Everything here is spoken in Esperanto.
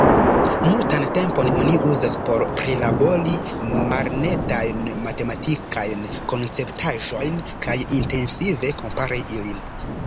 Multan tempon oni uzas por prilabori malnetajn matematikajn konceptaĵojn kaj intensive kompari ilin.